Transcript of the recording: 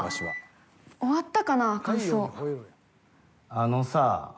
あのさ。